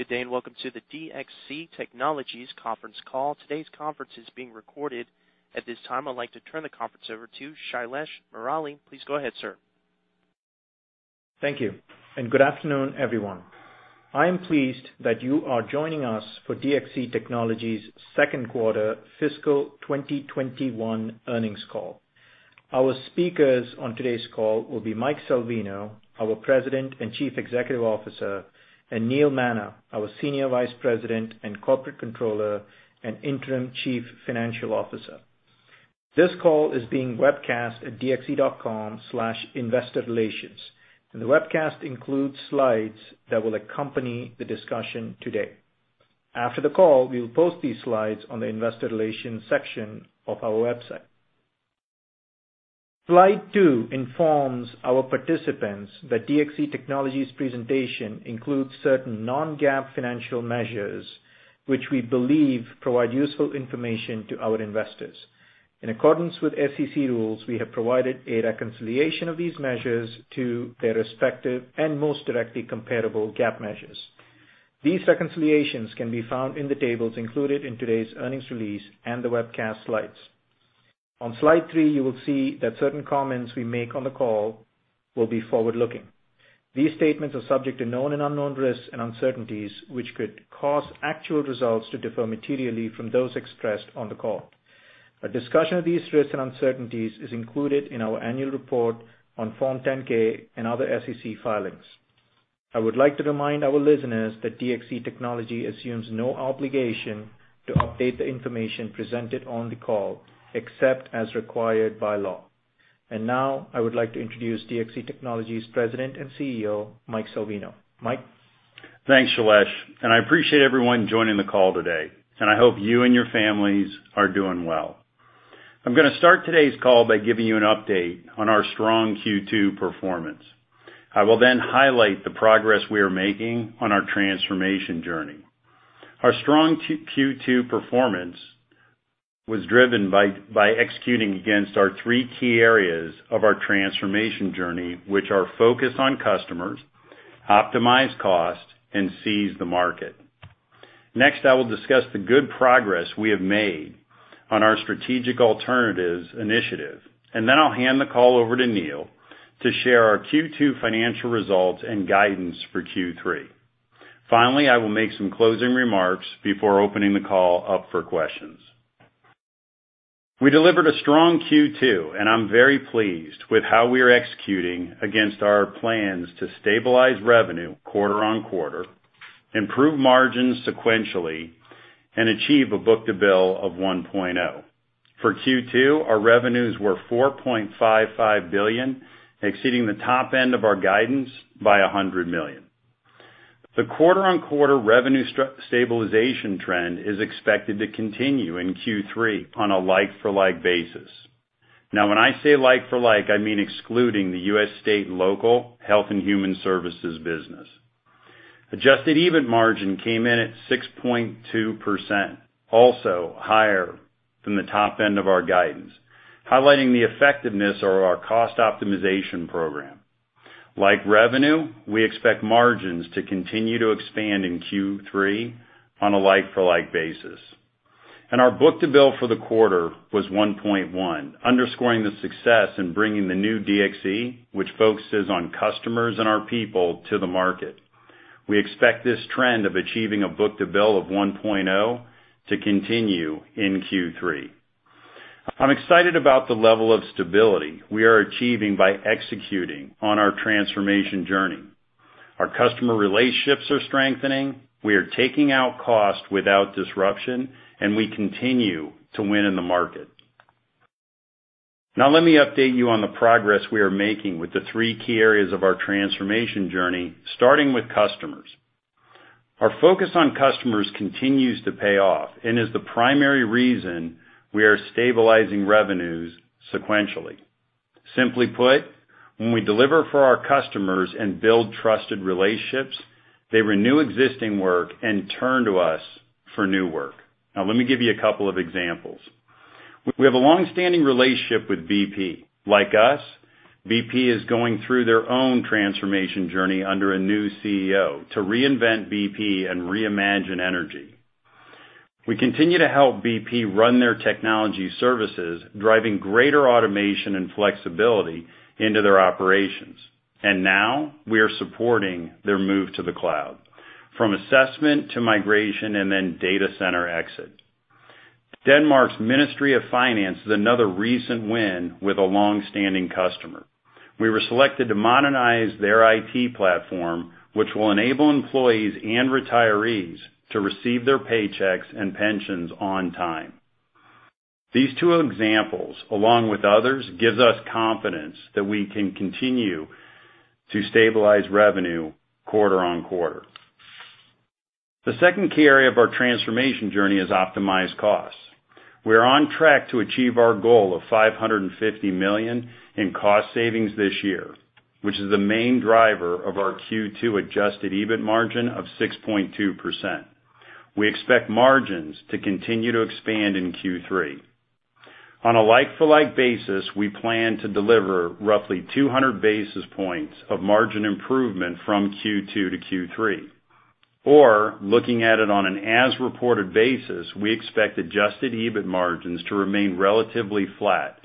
Good day, and welcome to the DXC Technology's conference call. Today's conference is being recorded. At this time, I'd like to turn the conference over to Shailesh Murali. Please go ahead, sir. Thank you, and good afternoon, everyone. I am pleased that you are joining us for DXC Technology's Second Quarter Fiscal 2021 Earnings Call. Our speakers on today's call will be Mike Salvino, our President and Chief Executive Officer, and Neil Manna, our Senior Vice President and Corporate Controller and Interim Chief Financial Officer. This call is being webcast at dxc.com/investorrelations, and the webcast includes slides that will accompany the discussion today. After the call, we will post these slides on the investor relations section of our website. Slide two informs our participants that DXC Technology's presentation includes certain non-GAAP financial measures, which we believe provide useful information to our investors. In accordance with SEC rules, we have provided a reconciliation of these measures to their respective and most directly comparable GAAP measures. These reconciliations can be found in the tables included in today's earnings release and the webcast slides. On slide three, you will see that certain comments we make on the call will be forward-looking. These statements are subject to known and unknown risks and uncertainties, which could cause actual results to differ materially from those expressed on the call. A discussion of these risks and uncertainties is included in our annual report on Form 10-K and other SEC filings. I would like to remind our listeners that DXC Technology assumes no obligation to update the information presented on the call, except as required by law. And now, I would like to introduce DXC Technology's President and CEO, Mike Salvino. Mike. Thanks, Shailesh. And I appreciate everyone joining the call today, and I hope you and your families are doing well. I'm going to start today's call by giving you an update on our strong Q2 performance. I will then highlight the progress we are making on our transformation journey. Our strong Q2 performance was driven by executing against our three key areas of our transformation journey, which are focus on customers, optimize cost, and seize the market. Next, I will discuss the good progress we have made on our strategic alternatives initiative, and then I'll hand the call over to Neil to share our Q2 financial results and guidance for Q3. Finally, I will make some closing remarks before opening the call up for questions. We delivered a strong Q2, and I'm very pleased with how we are executing against our plans to stabilize revenue quarter-on-quarter, improve margins sequentially, and achieve a book-to-bill of 1.0. For Q2, our revenues were $4.55 billion, exceeding the top end of our guidance by $100 million. The quarter-on-quarter revenue stabilization trend is expected to continue in Q3 on a like-for-like basis. Now, when I say like-for-like, I mean excluding the U.S. State and Local Health and Human Services business. Adjusted EBIT margin came in at 6.2%, also higher than the top end of our guidance, highlighting the effectiveness of our cost optimization program. Like revenue, we expect margins to continue to expand in Q3 on a like-for-like basis. Our book-to-bill for the quarter was 1.1, underscoring the success in bringing the new DXC, which focuses on customers and our people, to the market. We expect this trend of achieving a book-to-bill of 1.0 to continue in Q3. I'm excited about the level of stability we are achieving by executing on our transformation journey. Our customer relationships are strengthening. We are taking out cost without disruption, and we continue to win in the market. Now, let me update you on the progress we are making with the three key areas of our transformation journey, starting with customers. Our focus on customers continues to pay off and is the primary reason we are stabilizing revenues sequentially. Simply put, when we deliver for our customers and build trusted relationships, they renew existing work and turn to us for new work. Now, let me give you a couple of examples. We have a long-standing relationship with BP. Like us, BP is going through their own transformation journey under a new CEO to reinvent BP and reimagine energy. We continue to help BP run their technology services, driving greater automation and flexibility into their operations. And now, we are supporting their move to the cloud, from assessment to migration and then data center exit. Denmark's Ministry of Finance is another recent win with a long-standing customer. We were selected to modernize their IT platform, which will enable employees and retirees to receive their paychecks and pensions on time. These two examples, along with others, give us confidence that we can continue to stabilize revenue quarter-on-quarter. The second key area of our transformation journey is optimized costs. We are on track to achieve our goal of $550 million in cost savings this year, which is the main driver of our Q2 adjusted EBIT margin of 6.2%. We expect margins to continue to expand in Q3. On a like-for-like basis, we plan to deliver roughly 200 basis points of margin improvement from Q2 to Q3. Or, looking at it on an as-reported basis, we expect adjusted EBIT margins to remain relatively flat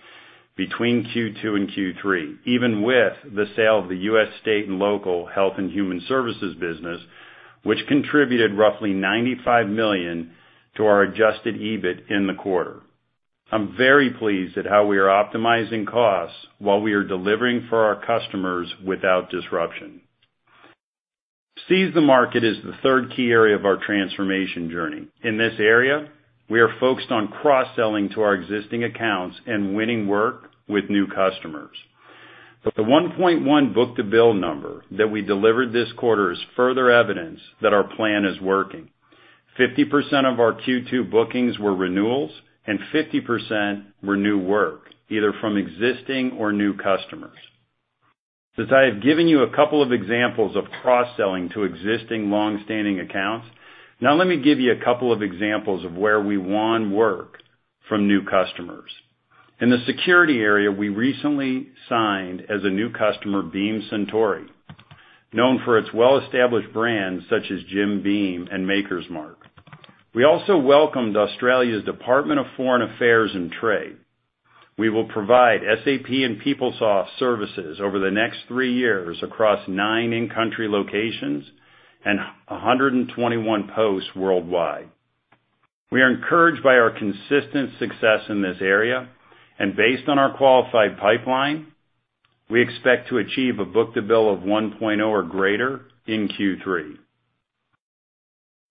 between Q2 and Q3, even with the sale of the U.S. State and Local Health and Human Services business, which contributed roughly $95 million to our adjusted EBIT in the quarter. I'm very pleased at how we are optimizing costs while we are delivering for our customers without disruption. Seize the market is the third key area of our transformation journey. In this area, we are focused on cross-selling to our existing accounts and winning work with new customers. The 1.1 book-to-bill number that we delivered this quarter is further evidence that our plan is working. 50% of our Q2 bookings were renewals, and 50% were new work, either from existing or new customers. As I have given you a couple of examples of cross-selling to existing long-standing accounts, now let me give you a couple of examples of where we won work from new customers. In the security area, we recently signed as a new customer Beam Suntory, known for its well-established brands such as Jim Beam and Maker's Mark. We also welcomed Australia's Department of Foreign Affairs and Trade. We will provide SAP and PeopleSoft services over the next three years across nine in-country locations and 121 posts worldwide. We are encouraged by our consistent success in this area, and based on our qualified pipeline, we expect to achieve a book-to-bill of 1.0 or greater in Q3.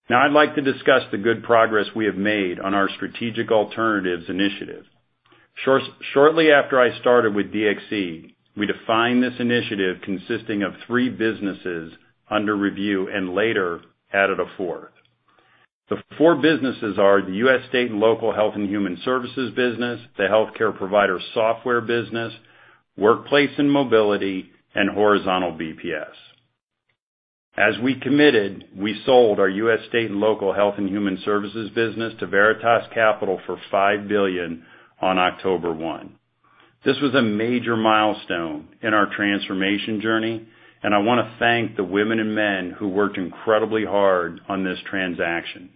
Now, I'd like to discuss the good progress we have made on our strategic alternatives initiative. Shortly after I started with DXC, we defined this initiative consisting of three businesses under review and later added a fourth. The four businesses are the U.S. State and Local Health and Human Services business, the Healthcare Provider Software business, Workplace and Mobility, and Horizontal BPS. As we committed, we sold our U.S. State and Local Health and Human Services business to Veritas Capital for $5 billion on October 1. This was a major milestone in our transformation journey, and I want to thank the women and men who worked incredibly hard on this transaction.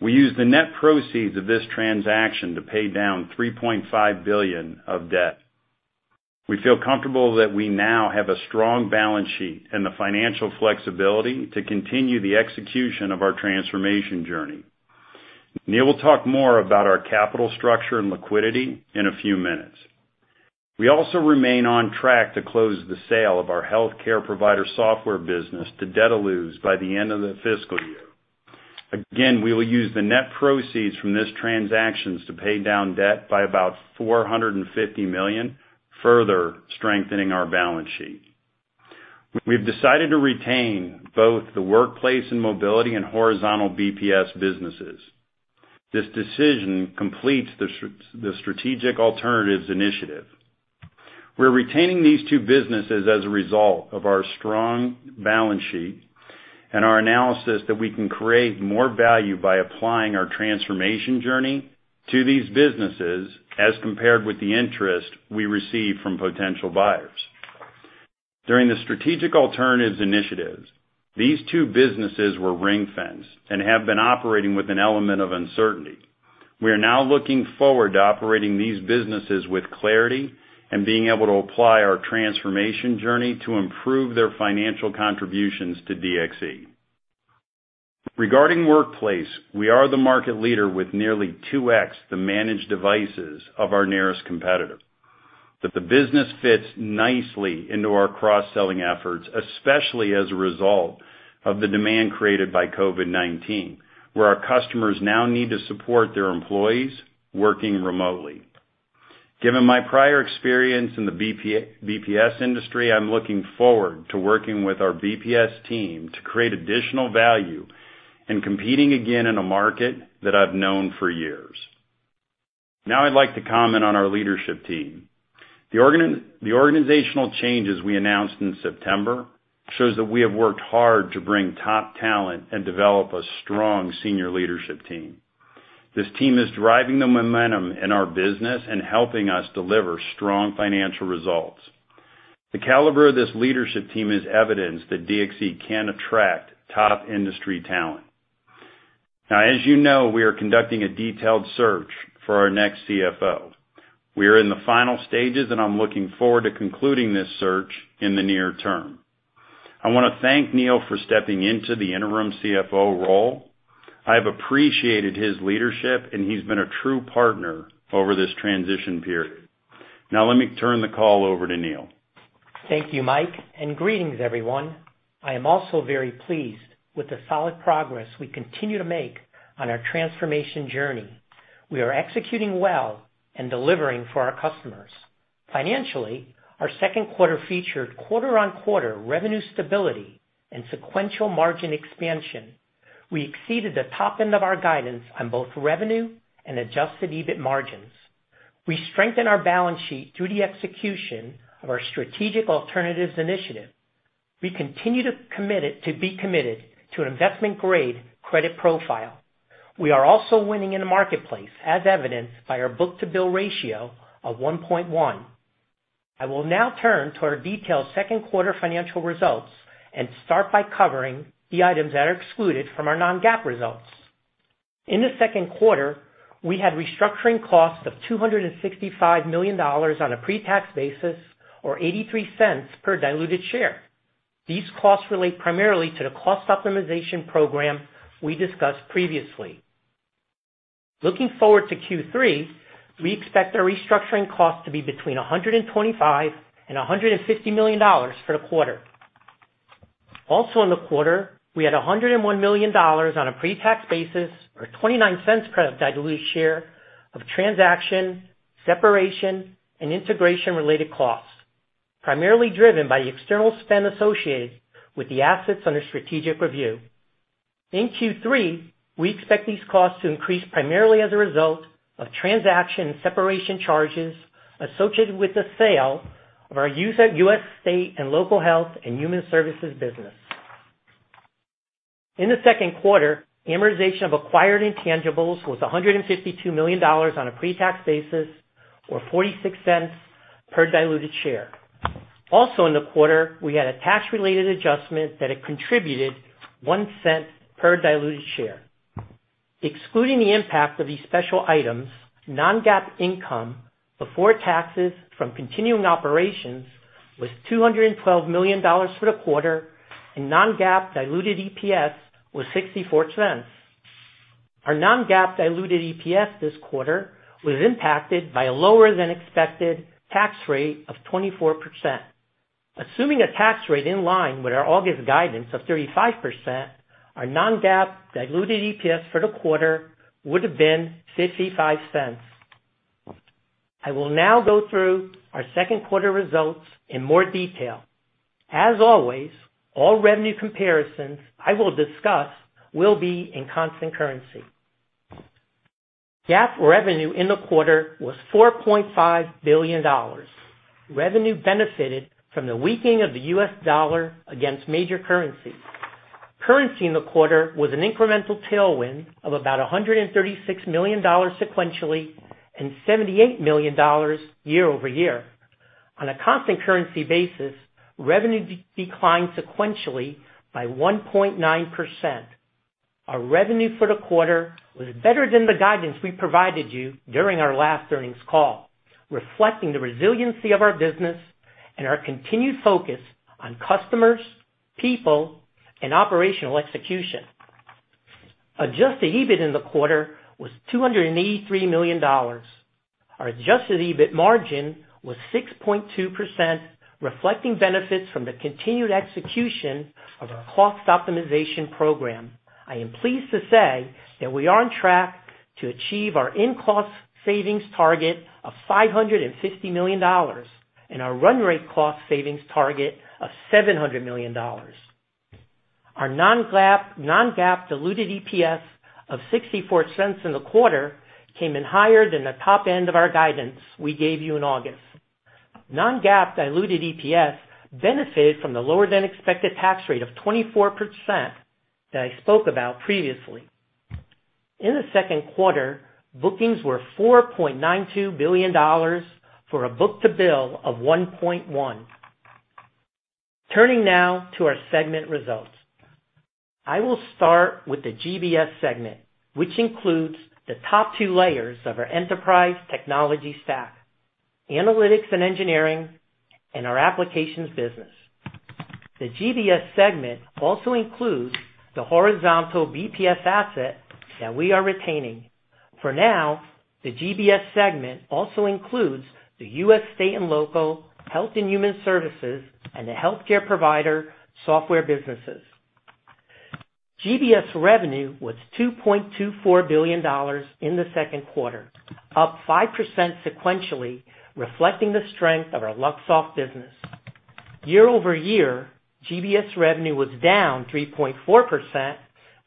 We used the net proceeds of this transaction to pay down $3.5 billion of debt. We feel comfortable that we now have a strong balance sheet and the financial flexibility to continue the execution of our transformation journey. Neil will talk more about our capital structure and liquidity in a few minutes. We also remain on track to close the sale of our Healthcare Provider Software business to Dedalus by the end of the fiscal year. Again, we will use the net proceeds from this transaction to pay down debt by about $450 million, further strengthening our balance sheet. We've decided to retain both the Workplace and Mobility and Horizontal BPS businesses. This decision completes the strategic alternatives initiative. We're retaining these two businesses as a result of our strong balance sheet and our analysis that we can create more value by applying our transformation journey to these businesses as compared with the interest we receive from potential buyers. During the strategic alternatives initiative, these two businesses were ring-fenced and have been operating with an element of uncertainty. We are now looking forward to operating these businesses with clarity and being able to apply our transformation journey to improve their financial contributions to DXC. Regarding workplace, we are the market leader with nearly 2x the managed devices of our nearest competitor. The business fits nicely into our cross-selling efforts, especially as a result of the demand created by COVID-19, where our customers now need to support their employees working remotely. Given my prior experience in the BPS industry, I'm looking forward to working with our BPS team to create additional value and competing again in a market that I've known for years. Now, I'd like to comment on our leadership team. The organizational changes we announced in September show that we have worked hard to bring top talent and develop a strong senior leadership team. This team is driving the momentum in our business and helping us deliver strong financial results. The caliber of this leadership team is evidence that DXC can attract top industry talent. Now, as you know, we are conducting a detailed search for our next CFO. We are in the final stages, and I'm looking forward to concluding this search in the near term. I want to thank Neil for stepping into the interim CFO role. I have appreciated his leadership, and he's been a true partner over this transition period. Now, let me turn the call over to Neil. Thank you, Mike, and greetings, everyone. I am also very pleased with the solid progress we continue to make on our Transformation journey. We are executing well and delivering for our customers. Financially, our second quarter featured quarter-on-quarter revenue stability and sequential margin expansion. We exceeded the top end of our guidance on both revenue and adjusted EBIT margins. We strengthened our balance sheet through the execution of our strategic alternatives initiative. We continue to be committed to an investment-grade credit profile. We are also winning in the marketplace, as evidenced by our book-to-bill ratio of 1.1. I will now turn to our detailed second quarter financial results and start by covering the items that are excluded from our non-GAAP results. In the second quarter, we had restructuring costs of $265 million on a pre-tax basis, or $0.83 per diluted share. These costs relate primarily to the cost optimization program we discussed previously. Looking forward to Q3, we expect our restructuring costs to be between $125 million and $150 million for the quarter. Also, in the quarter, we had $101 million on a pre-tax basis, or $0.29 per diluted share of transaction, separation, and integration-related costs, primarily driven by the external spend associated with the assets under strategic review. In Q3, we expect these costs to increase primarily as a result of transaction and separation charges associated with the sale of our U.S. State and Local Health and Human Services business. In the second quarter, amortization of acquired intangibles was $152 million on a pre-tax basis, or $0.46 per diluted share. Also, in the quarter, we had a tax-related adjustment that had contributed $0.01 per diluted share. Excluding the impact of these special items, non-GAAP income before taxes from continuing operations was $212 million for the quarter, and non-GAAP diluted EPS was $0.64. Our non-GAAP diluted EPS this quarter was impacted by a lower-than-expected tax rate of 24%. Assuming a tax rate in line with our August guidance of 35%, our non-GAAP diluted EPS for the quarter would have been $0.55. I will now go through our second quarter results in more detail. As always, all revenue comparisons I will discuss will be in constant currency. GAAP revenue in the quarter was $4.5 billion. Revenue benefited from the weakening of the U.S. dollar against major currencies. Currency in the quarter was an incremental tailwind of about $136 million sequentially and $78 million year-over-year. On a constant currency basis, revenue declined sequentially by 1.9%. Our revenue for the quarter was better than the guidance we provided you during our last earnings call, reflecting the resiliency of our business and our continued focus on customers, people, and operational execution. Adjusted EBIT in the quarter was $283 million. Our adjusted EBIT margin was 6.2%, reflecting benefits from the continued execution of our cost optimization program. I am pleased to say that we are on track to achieve our in-year cost savings target of $550 million and our run rate cost savings target of $700 million. Our non-GAAP diluted EPS of $0.64 in the quarter came in higher than the top end of our guidance we gave you in August. Non-GAAP diluted EPS benefited from the lower-than-expected tax rate of 24% that I spoke about previously. In the second quarter, bookings were $4.92 billion for a book-to-bill of 1.1. Turning now to our segment results, I will start with the GBS segment, which includes the top two layers of our enterprise technology stack: analytics and engineering, and our applications business. The GBS segment also includes the Horizontal BPS asset that we are retaining. For now, the GBS segment also includes the U.S. State and Local Health and Human Services and the Healthcare Provider Software businesses. GBS revenue was $2.24 billion in the second quarter, up 5% sequentially, reflecting the strength of our Luxoft business. Year-over-year, GBS revenue was down 3.4%,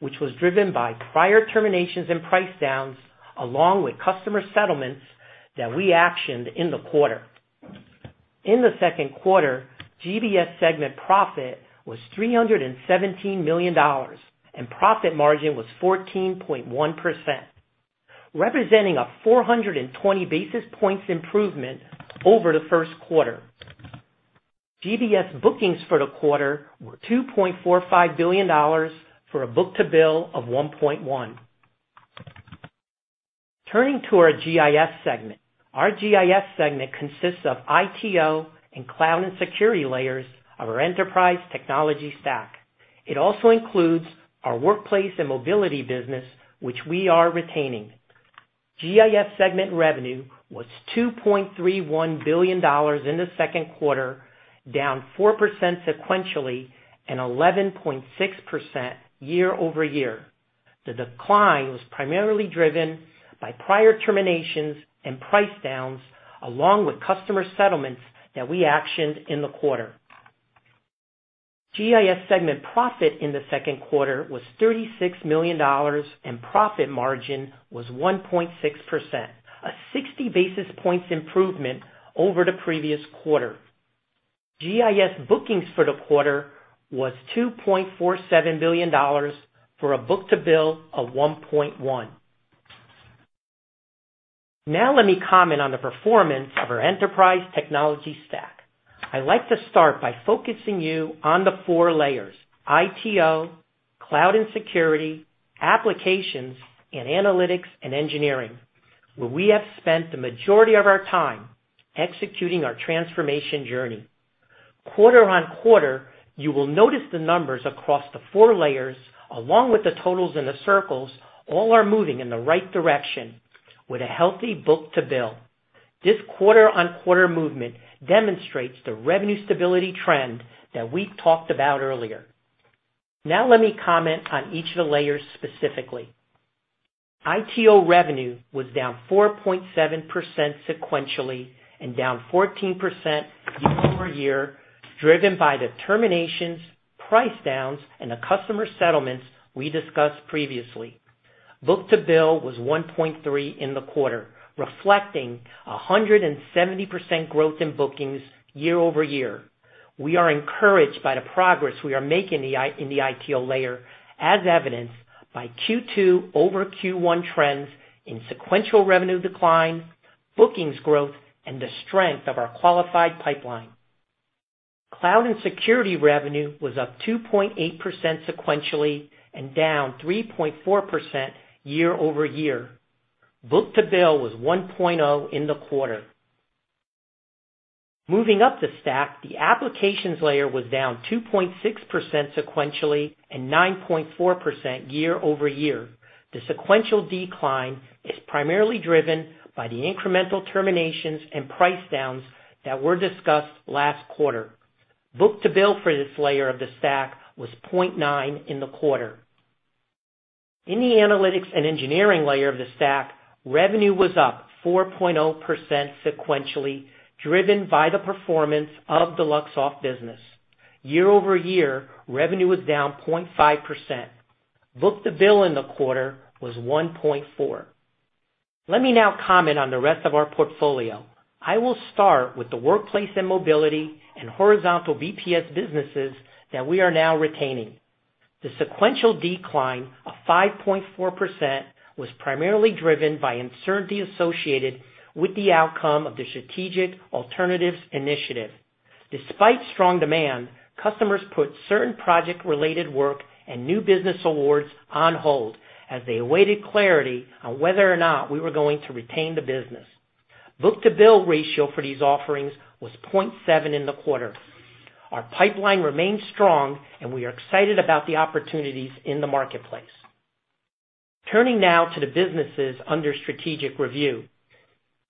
which was driven by prior terminations and price downs, along with customer settlements that we actioned in the quarter. In the second quarter, GBS segment profit was $317 million, and profit margin was 14.1%, representing a 420 basis points improvement over the first quarter. GBS bookings for the quarter were $2.45 billion for a book-to-bill of 1.1. Turning to our GIS segment, our GIS segment consists of ITO and cloud and security layers of our enterprise technology stack. It also includes our Workplace and Mobility business, which we are retaining. GIS segment revenue was $2.31 billion in the second quarter, down 4% sequentially and 11.6% year-over-year. The decline was primarily driven by prior terminations and price downs, along with customer settlements that we actioned in the quarter. GIS segment profit in the second quarter was $36 million, and profit margin was 1.6%, a 60 basis points improvement over the previous quarter. GIS bookings for the quarter was $2.47 billion for a book-to-bill of 1.1. Now, let me comment on the performance of our enterprise technology stack. I'd like to start by focusing you on the four layers: ITO, cloud and security, applications, and analytics and engineering, where we have spent the majority of our time executing our transformation journey. Quarter-on-quarter, you will notice the numbers across the four layers, along with the totals in the circles, all are moving in the right direction with a healthy book-to-bill. This quarter-on-quarter movement demonstrates the revenue stability trend that we talked about earlier. Now, let me comment on each of the layers specifically. ITO revenue was down 4.7% sequentially and down 14% year-over-year, driven by the terminations, price downs, and the customer settlements we discussed previously. Book-to-bill was 1.3 in the quarter, reflecting 170% growth in bookings year-over-year. We are encouraged by the progress we are making in the ITO layer, as evidenced by Q2 over Q1 trends in sequential revenue decline, bookings growth, and the strength of our qualified pipeline. Cloud and security revenue was up 2.8% sequentially and down 3.4% year-over-year. Book-to-bill was 1.0 in the quarter. Moving up the stack, the applications layer was down 2.6% sequentially and 9.4% year-over-year. The sequential decline is primarily driven by the incremental terminations and price downs that were discussed last quarter. Book-to-bill for this layer of the stack was 0.9 in the quarter. In the analytics and engineering layer of the stack, revenue was up 4.0% sequentially, driven by the performance of the Luxoft business. Year-over-year, revenue was down 0.5%. Book-to-bill in the quarter was 1.4. Let me now comment on the rest of our portfolio. I will start with the Workplace and Mobility and Horizontal BPS businesses that we are now retaining. The sequential decline of 5.4% was primarily driven by uncertainty associated with the outcome of the strategic alternatives initiative. Despite strong demand, customers put certain project-related work and new business awards on hold as they awaited clarity on whether or not we were going to retain the business. Book-to-bill ratio for these offerings was 0.7 in the quarter. Our pipeline remains strong, and we are excited about the opportunities in the marketplace. Turning now to the businesses under strategic review.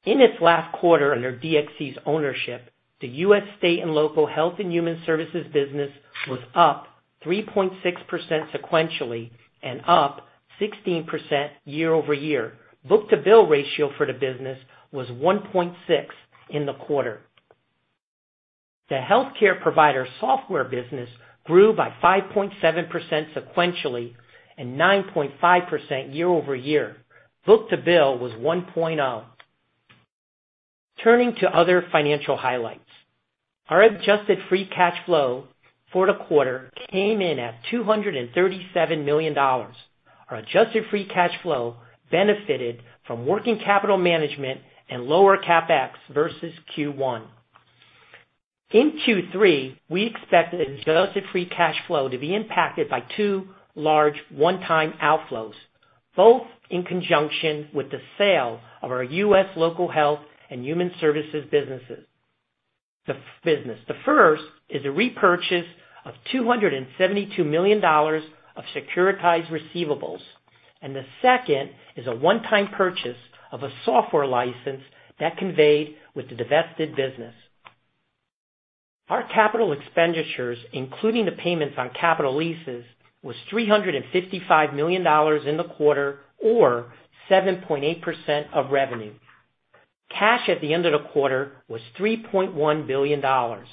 In its last quarter under DXC's ownership, the U.S. State and Local Health and Human Services business was up 3.6% sequentially and up 16% year-over-year. Book-to-bill ratio for the business was 1.6 in the quarter. The Healthcare Provider Software business grew by 5.7% sequentially and 9.5% year-over-year. Book-to-bill was 1.0. Turning to other financial highlights, our adjusted free cash flow for the quarter came in at $237 million. Our adjusted free cash flow benefited from working capital management and lower CapEx versus Q1. In Q3, we expected adjusted free cash flow to be impacted by two large one-time outflows, both in conjunction with the sale of our U.S. State and Local Health and Human Services businesses. The first is a repurchase of $272 million of securitized receivables, and the second is a one-time purchase of a software license that conveyed with the divested business. Our capital expenditures, including the payments on capital leases, were $355 million in the quarter, or 7.8% of revenue. Cash at the end of the quarter was $3.1 billion. At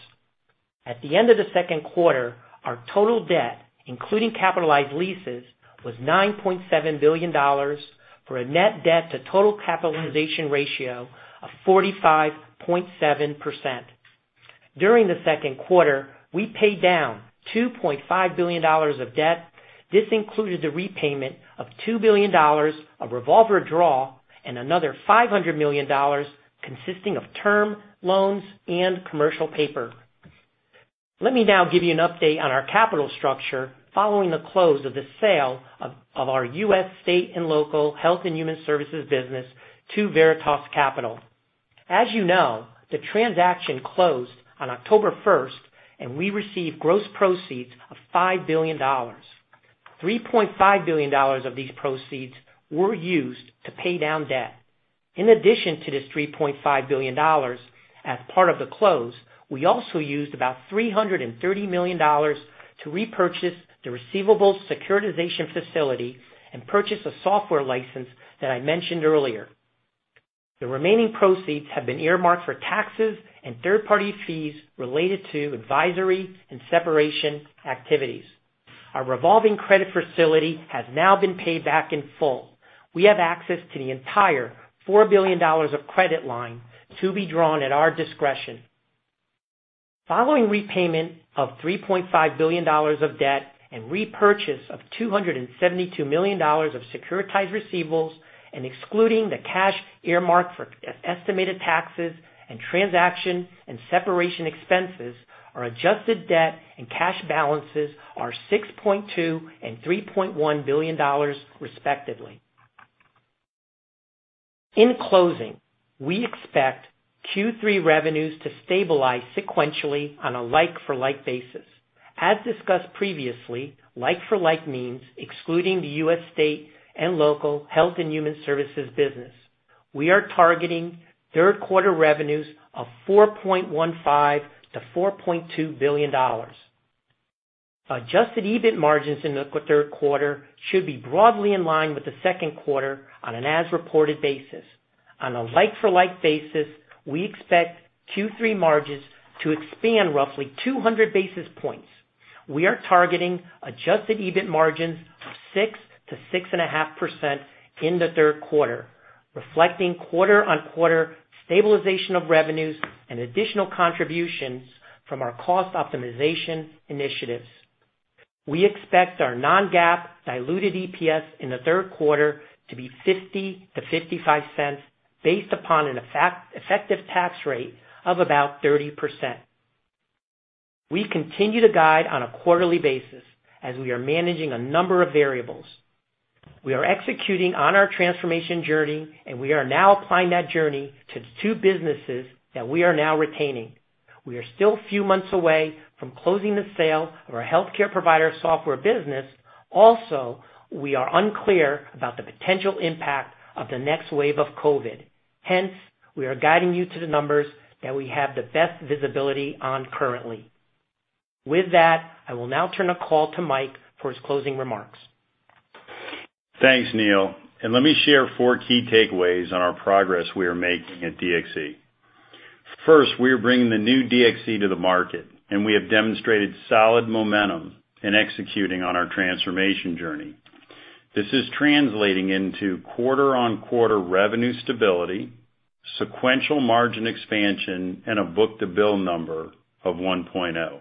the end of the second quarter, our total debt, including capitalized leases, was $9.7 billion for a net debt-to-total capitalization ratio of 45.7%. During the second quarter, we paid down $2.5 billion of debt. This included the repayment of $2 billion of revolver draw and another $500 million consisting of term loans and commercial paper. Let me now give you an update on our capital structure following the close of the sale of our U.S. State and Local Health and Human Services business to Veritas Capital. As you know, the transaction closed on October 1st, and we received gross proceeds of $5 billion. $3.5 billion of these proceeds were used to pay down debt. In addition to this $3.5 billion, as part of the close, we also used about $330 million to repurchase the receivables securitization facility and purchase a software license that I mentioned earlier. The remaining proceeds have been earmarked for taxes and third-party fees related to advisory and separation activities. Our revolving credit facility has now been paid back in full. We have access to the entire $4 billion of credit line to be drawn at our discretion. Following repayment of $3.5 billion of debt and repurchase of $272 million of securitized receivables, and excluding the cash earmarked for estimated taxes and transaction and separation expenses, our adjusted debt and cash balances are $6.2 and $3.1 billion, respectively. In closing, we expect Q3 revenues to stabilize sequentially on a like-for-like basis. As discussed previously, like-for-like means excluding the U.S. State and Local Health and Human Services business. We are targeting third-quarter revenues of $4.15-$4.2 billion. Adjusted EBIT margins in the third quarter should be broadly in line with the second quarter on an as-reported basis. On a like-for-like basis, we expect Q3 margins to expand roughly 200 basis points. We are targeting Adjusted EBIT margins of 6%-6.5% in the third quarter, reflecting quarter-on-quarter stabilization of revenues and additional contributions from our cost optimization initiatives. We expect our non-GAAP diluted EPS in the third quarter to be $0.50-$0.55 based upon an effective tax rate of about 30%. We continue to guide on a quarterly basis as we are managing a number of variables. We are executing on our transformation journey, and we are now applying that journey to two businesses that we are now retaining. We are still a few months away from closing the sale of our Healthcare Provider Software business. Also, we are unclear about the potential impact of the next wave of COVID. Hence, we are guiding you to the numbers that we have the best visibility on currently. With that, I will now turn the call to Mike for his closing remarks. Thanks, Neil. Let me share four key takeaways on our progress we are making at DXC. First, we are bringing the new DXC to the market, and we have demonstrated solid momentum in executing on our transformation journey. This is translating into quarter-on-quarter revenue stability, sequential margin expansion, and a book-to-bill number of 1.0.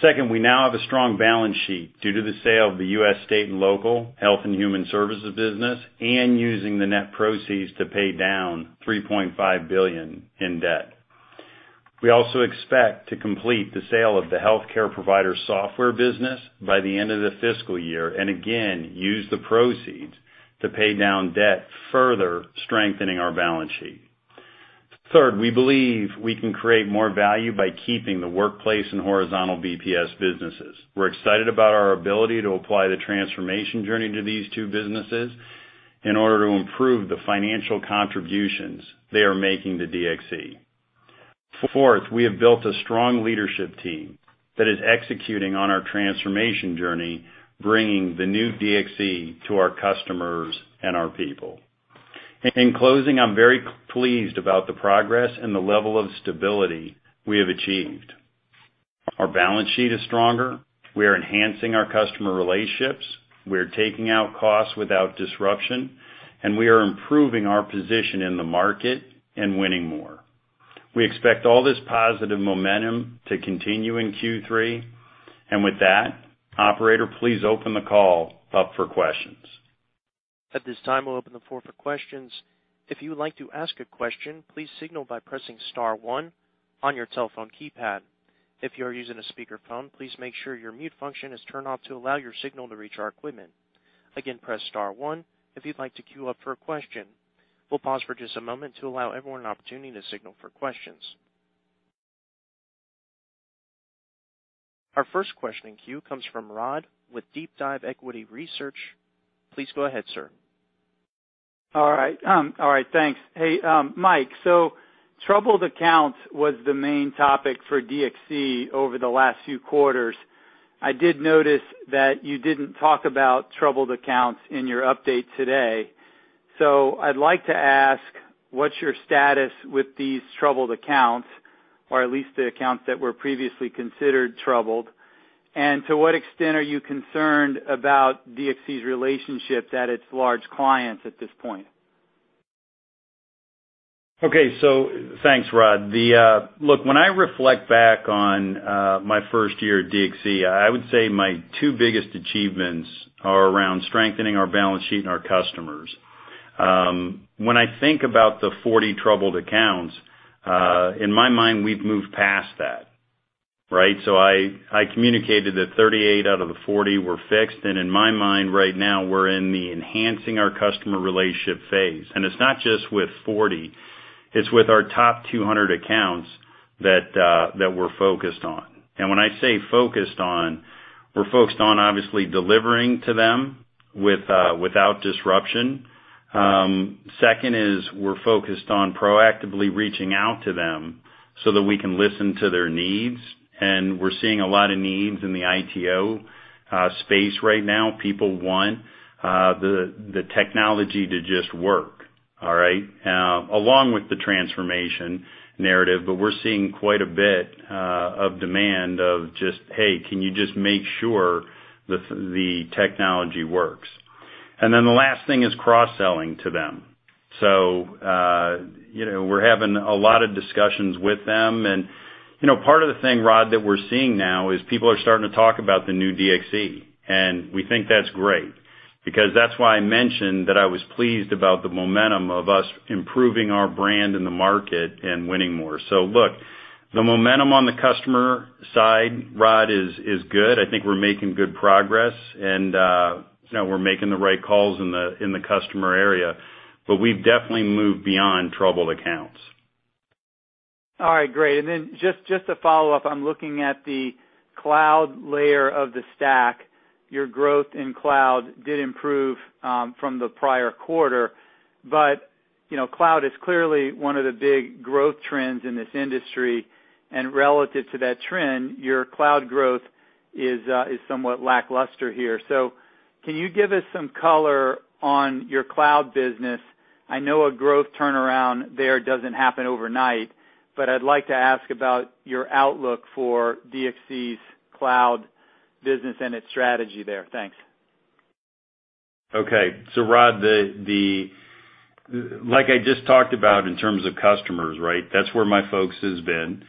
Second, we now have a strong balance sheet due to the sale of the U.S. State and Local Health and Human Services business and using the net proceeds to pay down $3.5 billion in debt. We also expect to complete the sale of the Healthcare Provider Software business by the end of the fiscal year and again use the proceeds to pay down debt further, strengthening our balance sheet. Third, we believe we can create more value by keeping the Workplace and Horizontal BPS businesses. We're excited about our ability to apply the transformation journey to these two businesses in order to improve the financial contributions they are making to DXC. Fourth, we have built a strong leadership team that is executing on our transformation journey, bringing the new DXC to our customers and our people. In closing, I'm very pleased about the progress and the level of stability we have achieved. Our balance sheet is stronger. We are enhancing our customer relationships. We are taking out costs without disruption, and we are improving our position in the market and winning more. We expect all this positive momentum to continue in Q3. And with that, operator, please open the call up for questions. At this time, we'll open the floor for questions. If you would like to ask a question, please signal by pressing star one on your telephone keypad. If you are using a speakerphone, please make sure your mute function is turned off to allow your signal to reach our equipment. Again, press star one if you'd like to queue up for a question. We'll pause for just a moment to allow everyone an opportunity to signal for questions. Our first question in queue comes from Rod with DeepDive Equity Research. Please go ahead, sir. All right. All right. Thanks. Hey, Mike, so troubled accounts was the main topic for DXC over the last few quarters. I did notice that you didn't talk about troubled accounts in your update today. So I'd like to ask, what's your status with these troubled accounts, or at least the accounts that were previously considered troubled? And to what extent are you concerned about DXC's relationships at its large clients at this point? Okay. So thanks, Rod. Look, when I reflect back on my first year at DXC, I would say my two biggest achievements are around strengthening our balance sheet and our customers. When I think about the 40 troubled accounts, in my mind, we've moved past that, right? So I communicated that 38 out of the 40 were fixed. And in my mind, right now, we're in the enhancing our customer relationship phase. And it's not just with 40. It's with our top 200 accounts that we're focused on. And when I say focused on, we're focused on, obviously, delivering to them without disruption. Second is we're focused on proactively reaching out to them so that we can listen to their needs. And we're seeing a lot of needs in the ITO space right now. People want the technology to just work, all right, along with the transformation narrative. But we're seeing quite a bit of demand of just, "Hey, can you just make sure the technology works?" And then the last thing is cross-selling to them. So we're having a lot of discussions with them. And part of the thing, Rod, that we're seeing now is people are starting to talk about the new DXC. And we think that's great because that's why I mentioned that I was pleased about the momentum of us improving our brand in the market and winning more. So look, the momentum on the customer side, Rod, is good. I think we're making good progress, and we're making the right calls in the customer area. But we've definitely moved beyond troubled accounts. All right. Great. And then just to follow up, I'm looking at the cloud layer of the stack. Your growth in cloud did improve from the prior quarter. But cloud is clearly one of the big growth trends in this industry. And relative to that trend, your cloud growth is somewhat lackluster here. So can you give us some color on your cloud business? I know a growth turnaround there doesn't happen overnight, but I'd like to ask about your outlook for DXC's cloud business and its strategy there. Thanks. Okay. So Rod, like I just talked about in terms of customers, right, that's where my focus has been.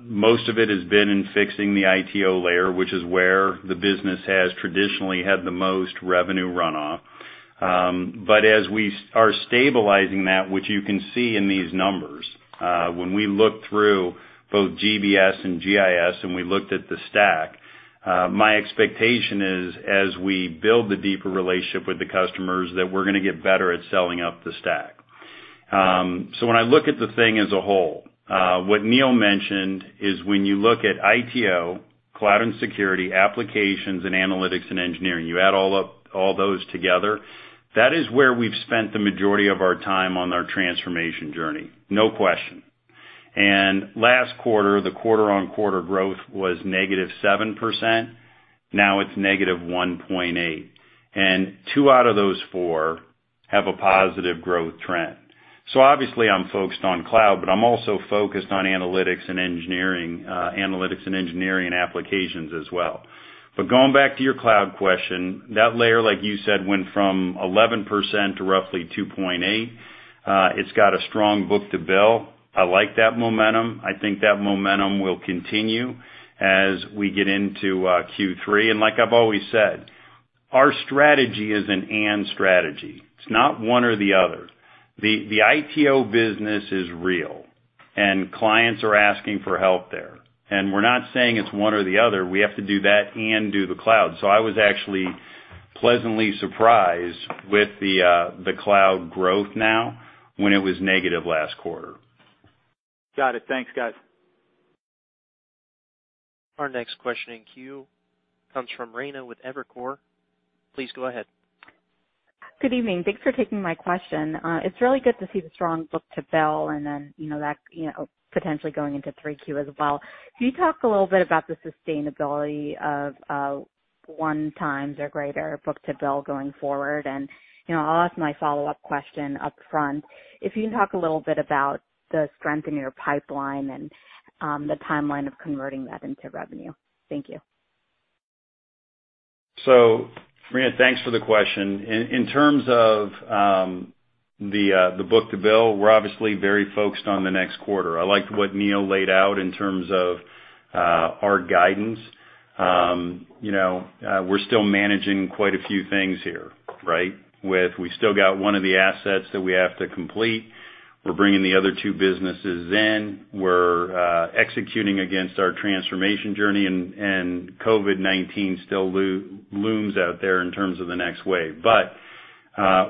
Most of it has been in fixing the ITO layer, which is where the business has traditionally had the most revenue runoff. But as we are stabilizing that, which you can see in these numbers, when we look through both GBS and GIS, and we looked at the stack, my expectation is, as we build the deeper relationship with the customers, that we're going to get better at selling up the stack. So when I look at the thing as a whole, what Neil mentioned is when you look at ITO, cloud and security, applications, and analytics and engineering, you add all those together, that is where we've spent the majority of our time on our transformation journey, no question. And last quarter, the quarter-on-quarter growth was -7%. Now it's -1.8%. And two out of those four have a positive growth trend. So obviously, I'm focused on cloud, but I'm also focused on analytics and engineering, analytics and engineering and applications as well. But going back to your cloud question, that layer, like you said, went from 11% to roughly 2.8%. It's got a strong book-to-bill. I like that momentum. I think that momentum will continue as we get into Q3. And like I've always said, our strategy is an and strategy. It's not one or the other. The ITO business is real, and clients are asking for help there. And we're not saying it's one or the other. We have to do that and do the cloud. So I was actually pleasantly surprised with the cloud growth now when it was negative last quarter. Got it. Thanks, guys. Our next question in queue comes from Rayna with Evercore. Please go ahead. Good evening. Thanks for taking my question. It's really good to see the strong book-to-bill and then that potentially going into 3Q as well. Can you talk a little bit about the sustainability of one-times or greater book-to-bill going forward? And I'll ask my follow-up question upfront. If you can talk a little bit about the strength in your pipeline and the timeline of converting that into revenue. Thank you. So, Rayna, thanks for the question. In terms of the book-to-bill, we're obviously very focused on the next quarter. I like what Neil laid out in terms of our guidance. We're still managing quite a few things here, right, with we still got one of the assets that we have to complete. We're bringing the other two businesses in. We're executing against our transformation journey, and COVID-19 still looms out there in terms of the next wave. But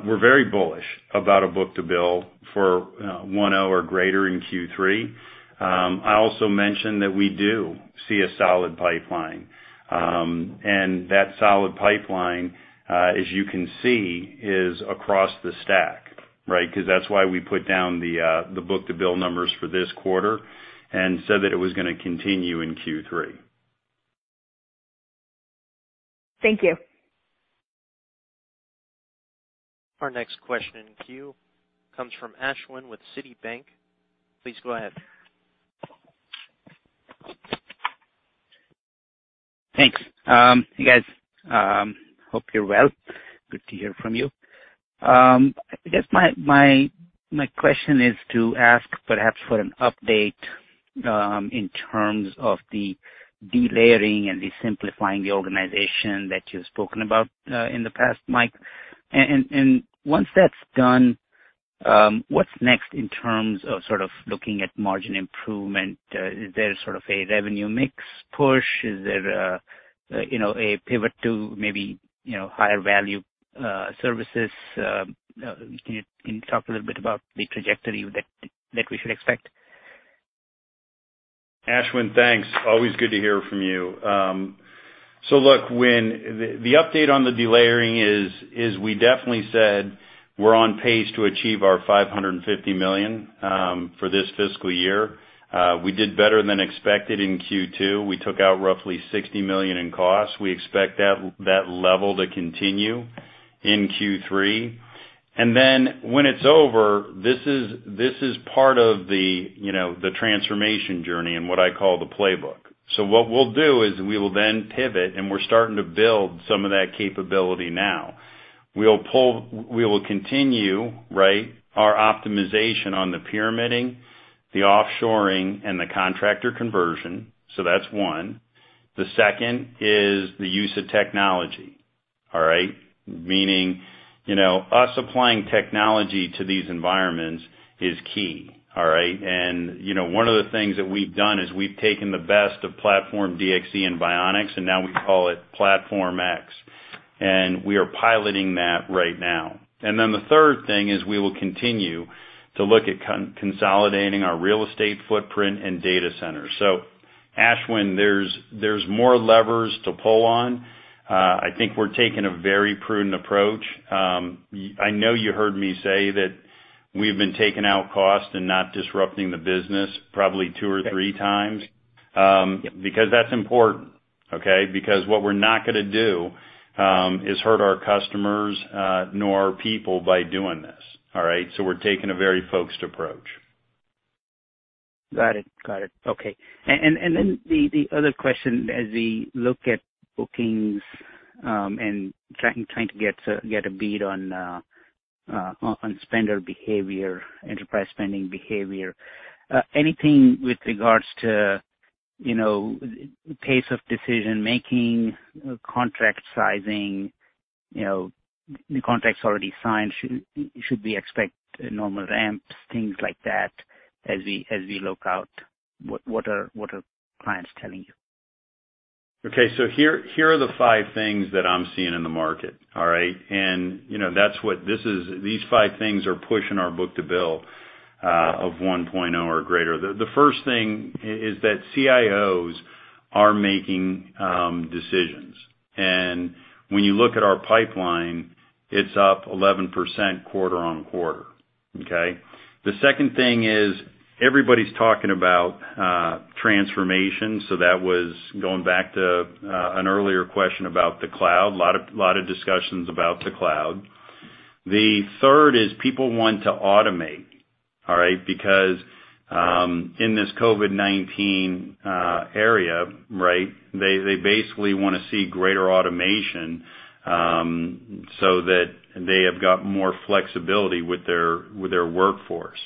we're very bullish about a book-to-bill for 1.0 or greater in Q3. I also mentioned that we do see a solid pipeline. And that solid pipeline, as you can see, is across the stack, right, because that's why we put down the book-to-bill numbers for this quarter and said that it was going to continue in Q3. Thank you. Our next question in queue comes from Ashwin with Citibank. Please go ahead. Thanks. Hey, guys. Hope you're well. Good to hear from you. I guess my question is to ask perhaps for an update in terms of the delayering and the simplifying the organization that you've spoken about in the past, Mike. And once that's done, what's next in terms of sort of looking at margin improvement? Is there sort of a revenue mix push? Is there a pivot to maybe higher value services? Can you talk a little bit about the trajectory that we should expect? Ashwin, thanks. Always good to hear from you. So look, the update on the delayering is we definitely said we're on pace to achieve our $550 million for this fiscal year. We did better than expected in Q2. We took out roughly $60 million in cost. We expect that level to continue in Q3. And then when it's over, this is part of the transformation journey and what I call the playbook. So what we'll do is we will then pivot, and we're starting to build some of that capability now. We will continue, right, our optimization on the layering, the offshoring, and the contractor conversion. So that's one. The second is the use of technology, all right, meaning us applying technology to these environments is key, all right? And one of the things that we've done is we've taken the best of Platform DXC and Bionix, and now we call it Platform X. And we are piloting that right now. And then the third thing is we will continue to look at consolidating our real estate footprint and data centers. So Ashwin, there's more levers to pull on. I think we're taking a very prudent approach. I know you heard me say that we've been taking out costs and not disrupting the business probably two or three times because that's important, okay, because what we're not going to do is hurt our customers nor our people by doing this, all right? So we're taking a very focused approach. Got it. Got it. Okay. And then the other question, as we look at bookings and trying to get a bead on spender behavior, enterprise spending behavior, anything with regards to pace of decision-making, contract sizing, the contracts already signed, should we expect normal ramps, things like that as we look out, what are clients telling you? Okay. So here are the five things that I'm seeing in the market, all right? And that's what these five things are pushing our book-to-bill of 1.0 or greater. The first thing is that CIOs are making decisions. And when you look at our pipeline, it's up 11% quarter-on-quarter, okay? The second thing is everybody's talking about transformation. So that was going back to an earlier question about the cloud, a lot of discussions about the cloud. The third is people want to automate, all right, because in this COVID-19 era, right, they basically want to see greater automation so that they have got more flexibility with their workforce.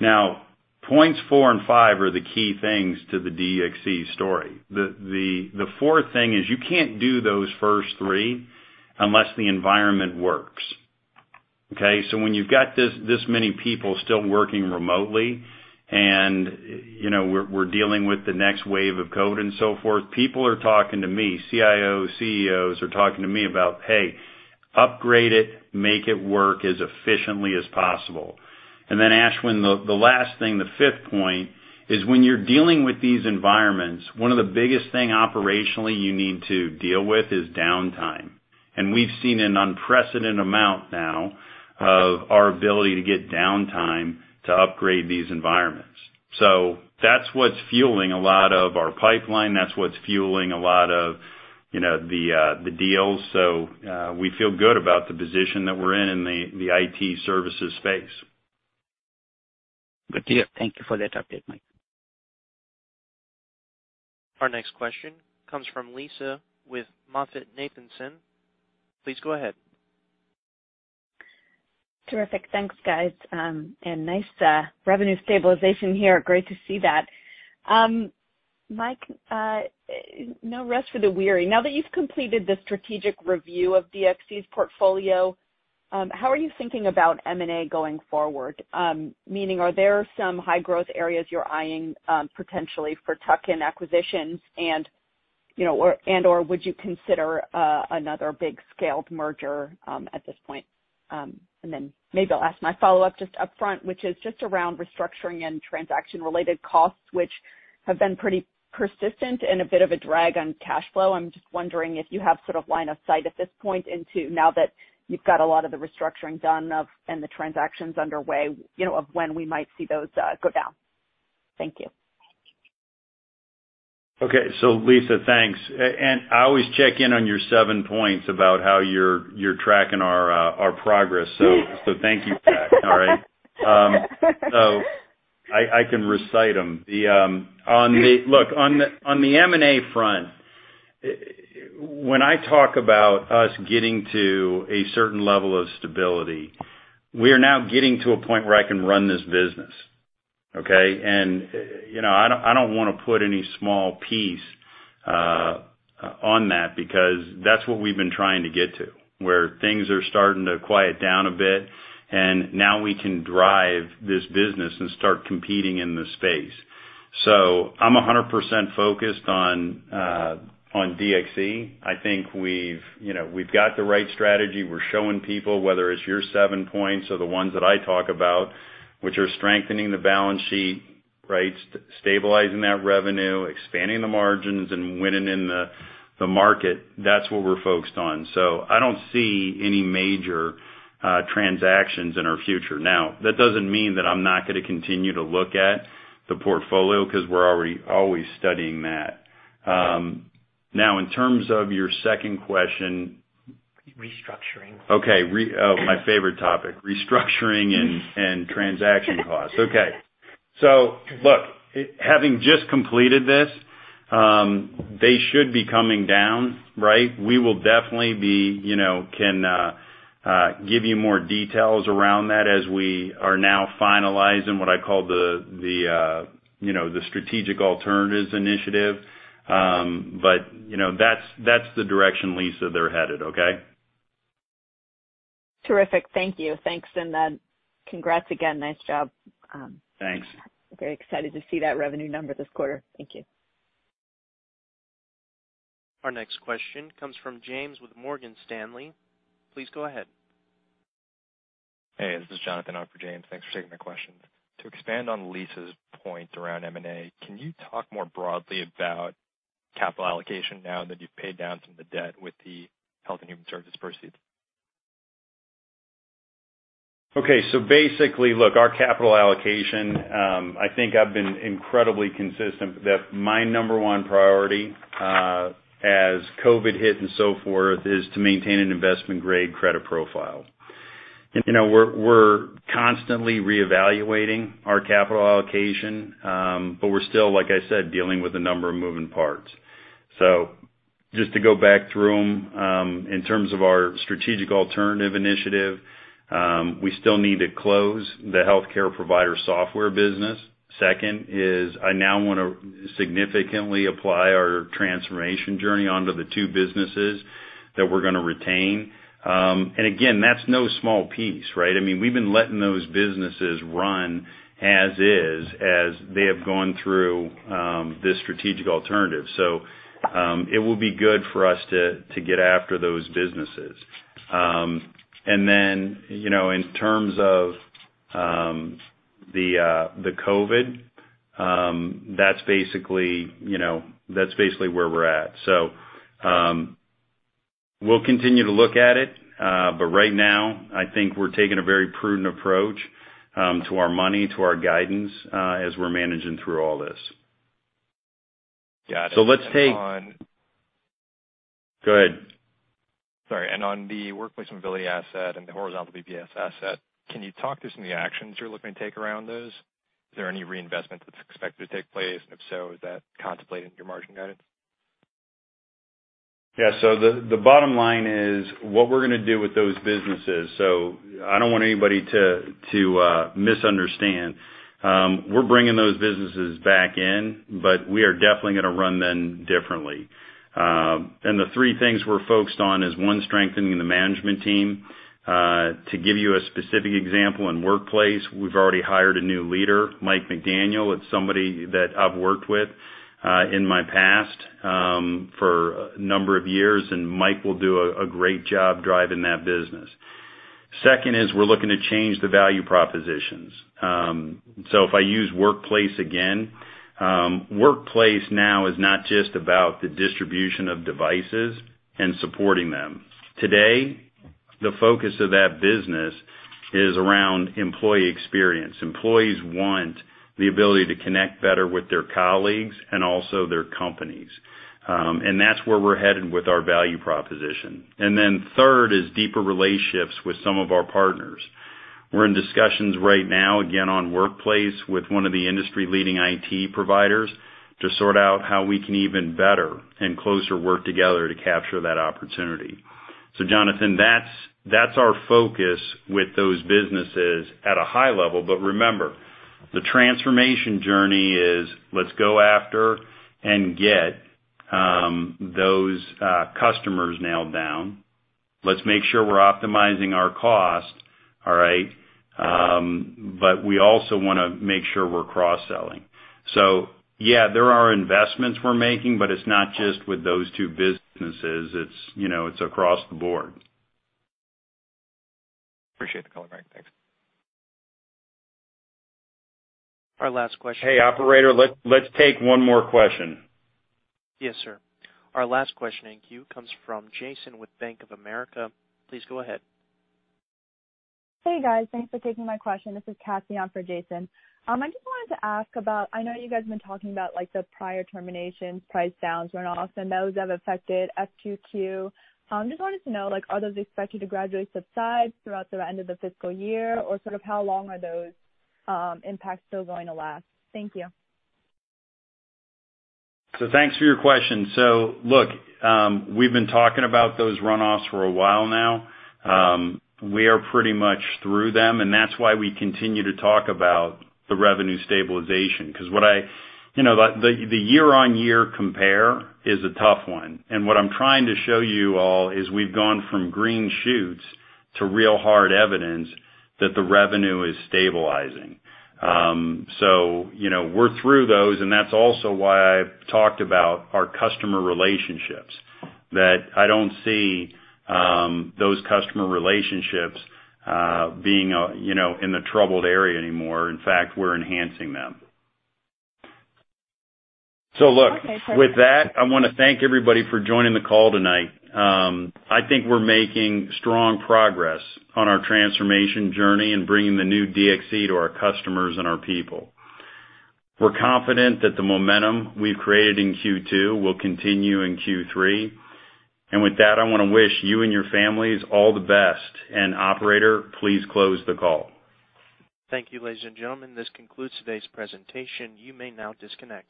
Now, points four and five are the key things to the DXC story. The fourth thing is you can't do those first three unless the environment works, okay? So when you've got this many people still working remotely and we're dealing with the next wave of COVID and so forth, people are talking to me, CIOs, CEOs are talking to me about, "Hey, upgrade it, make it work as efficiently as possible." And then Ashwin, the last thing, the fifth point is when you're dealing with these environments, one of the biggest things operationally you need to deal with is downtime. And we've seen an unprecedented amount now of our ability to get downtime to upgrade these environments. So that's what's fueling a lot of our pipeline. That's what's fueling a lot of the deals. So we feel good about the position that we're in in the IT services space. Good deal. Thank you for that update, Mike. Our next question comes from Lisa with MoffettNathanson. Please go ahead. Terrific. Thanks, guys. And nice revenue stabilization here. Great to see that. Mike, no rest for the weary. Now that you've completed the strategic review of DXC's portfolio, how are you thinking about M&A going forward? Meaning, are there some high-growth areas you're eyeing potentially for tuck-in acquisitions and/or would you consider another big-scaled merger at this point? And then maybe I'll ask my follow-up just upfront, which is just around restructuring and transaction-related costs, which have been pretty persistent and a bit of a drag on cash flow. I'm just wondering if you have sort of line of sight at this point into now that you've got a lot of the restructuring done and the transactions underway of when we might see those go down? Thank you. Okay. So Lisa, thanks. And I always check in on your seven points about how you're tracking our progress. So thank you for that, all right? So I can recite them. Look, on the M&A front, when I talk about us getting to a certain level of stability, we are now getting to a point where I can run this business, okay? And I don't want to put any small piece on that because that's what we've been trying to get to, where things are starting to quiet down a bit, and now we can drive this business and start competing in the space. So I'm 100% focused on DXC. I think we've got the right strategy. We're showing people, whether it's your seven points or the ones that I talk about, which are strengthening the balance sheet, right, stabilizing that revenue, expanding the margins, and winning in the market, that's what we're focused on. So I don't see any major transactions in our future. Now, that doesn't mean that I'm not going to continue to look at the portfolio because we're always studying that. Now, in terms of your second question. Restructuring. Okay. Oh, my favorite topic, restructuring and transaction costs. Okay. So look, having just completed this, they should be coming down, right? We will definitely be able to give you more details around that as we are now finalizing what I call the strategic alternatives initiative. But that's the direction Lisa, they're headed, okay? Terrific. Thank you. Thanks. And congrats again. Nice job. Thanks. Very excited to see that revenue number this quarter. Thank you. Our next question comes from James with Morgan Stanley. Please go ahead. Hey, this is Jonathan for James. Thanks for taking my questions. To expand on Lisa's point around M&A, can you talk more broadly about capital allocation now that you've paid down some of the debt with the Health and Human Services proceeds? Okay. So basically, look, our capital allocation, I think I've been incredibly consistent that my number one priority as COVID hit and so forth is to maintain an investment-grade credit profile. And we're constantly reevaluating our capital allocation, but we're still, like I said, dealing with a number of moving parts. So just to go back through them, in terms of our strategic alternatives initiative, we still need to close the Healthcare Provider Software business. Second is I now want to significantly apply our transformation journey onto the two businesses that we're going to retain. And again, that's no small piece, right? I mean, we've been letting those businesses run as is as they have gone through this strategic alternative. So it will be good for us to get after those businesses. And then in terms of the COVID, that's basically where we're at. So we'll continue to look at it, but right now, I think we're taking a very prudent approach to our money, to our guidance as we're managing through all this. Got it. And on the Workplace and Mobility asset and the Horizontal BPS asset, can you talk through some of the actions you're looking to take around those? Is there any reinvestment that's expected to take place? If so, is that contemplated in your margin guidance? Yeah. The bottom line is what we're going to do with those businesses. I don't want anybody to misunderstand. We're bringing those businesses back in, but we are definitely going to run them differently. The three things we're focused on is, one, strengthening the management team. To give you a specific example in Workplace, we've already hired a new leader, Mike McDaniel. It's somebody that I've worked with in my past for a number of years, and Mike will do a great job driving that business. Second is we're looking to change the value propositions. If I use Workplace again, Workplace now is not just about the distribution of devices and supporting them. Today, the focus of that business is around employee experience. Employees want the ability to connect better with their colleagues and also their companies. And that's where we're headed with our value proposition. And then third is deeper relationships with some of our partners. We're in discussions right now, again, on Workplace with one of the industry-leading IT providers to sort out how we can even better and closer work together to capture that opportunity. So Jonathan, that's our focus with those businesses at a high level. But remember, the transformation journey is let's go after and get those customers nailed down. Let's make sure we're optimizing our cost, all right? But we also want to make sure we're cross-selling. So yeah, there are investments we're making, but it's not just with those two businesses. It's across the board. Appreciate the call, Mike. Thanks. Our last question. Hey, operator, let's take one more question. Yes, sir. Our last question in queue comes from Jason with Bank of America. Please go ahead. Hey, guys. Thanks for taking my question. This is Cassie on for Jason. I just wanted to ask about, I know you guys have been talking about the prior terminations, price downs, runoffs, and those have affected F 2Q. I just wanted to know, are those expected to gradually subside throughout the end of the fiscal year, or sort of how long are those impacts still going to last? Thank you. So thanks for your question. So look, we've been talking about those runoffs for a while now. We are pretty much through them. And that's why we continue to talk about the revenue stabilization because what I— the year-on-year compare is a tough one. And what I'm trying to show you all is we've gone from green shoots to real hard evidence that the revenue is stabilizing. So we're through those. And that's also why I talked about our customer relationships, that I don't see those customer relationships being in the troubled area anymore. In fact, we're enhancing them. So look— Okay. Perfect. With that, I want to thank everybody for joining the call tonight. I think we're making strong progress on our transformation journey and bringing the new DXC to our customers and our people. We're confident that the momentum we've created in Q2 will continue in Q3. And with that, I want to wish you and your families all the best. And operator, please close the call. Thank you, ladies and gentlemen. This concludes today's presentation. You may now disconnect.